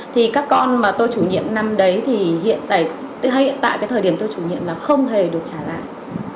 thì các con mà tôi chủ nhiệm năm đấy thì hiện tại hay hiện tại cái thời điểm tôi chủ nhiệm là không hề được trả lại